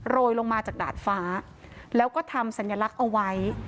ยลงมาจากดาดฟ้าแล้วก็ทำสัญลักษณ์เอาไว้